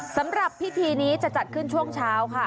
สำหรับพิธีนี้จะจัดขึ้นช่วงเช้าค่ะ